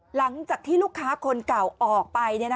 หลังจากที่ลูกค้าคนเก่าออกไป